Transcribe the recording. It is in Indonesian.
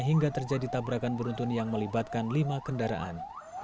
hingga terjadi tabrakan beruntun yang melibatkan lima kendaraan